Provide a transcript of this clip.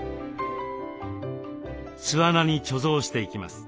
巣穴に貯蔵していきます。